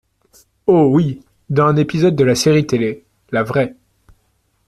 Oh, oui. Dans un épisode de la série télé, la vraie